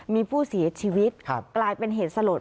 มีผู้เสียชีวิตกลายเป็นเหตุสลด